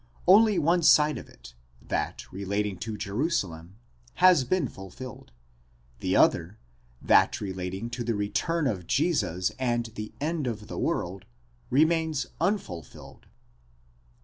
only one side of it, that relating to Jerusalem, has been fulfilled ; the other, that relating to the return of Jesus and the end of the world, remains unfulfilled.